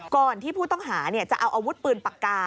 ก่อนที่ผู้ต้องหาจะเอาอาวุธปืนปากกา